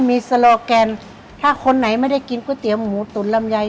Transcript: มีสโลแกนถ้าคนไหนไม่ได้กินก๋วยเตี๋ยวหมูตุ๋นลำไย